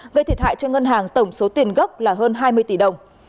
gây thiệt hại cho ngân hàng tổng số tiền gốc là hơn hai mươi tỷ đồng